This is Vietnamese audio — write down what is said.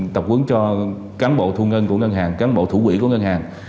tập hướng cho cán bộ thu ngân của ngân hàng cán bộ thủ quỷ của ngân hàng